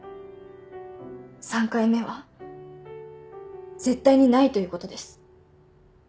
３回目は絶対にないということです。